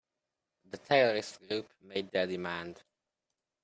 The terrorist group made their demand.